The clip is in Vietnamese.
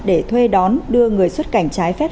để thuê đón đưa người xuất cảnh trái phép